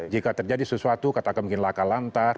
jika terjadi sesuatu katakan mungkin laka lantar